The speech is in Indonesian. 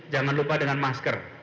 jangan lupa dengan masker